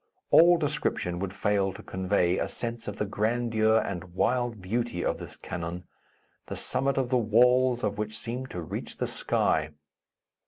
All description would fail to convey a sense of the grandeur and wild beauty of this cañon, the summit of the walls of which seemed to reach the sky.